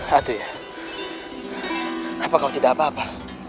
hatuyah apa kau tidak apa apa